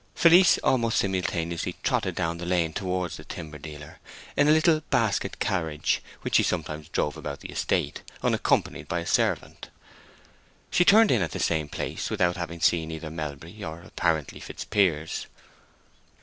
Felice almost simultaneously trotted down the lane towards the timber dealer, in a little basket carriage which she sometimes drove about the estate, unaccompanied by a servant. She turned in at the same place without having seen either Melbury or apparently Fitzpiers.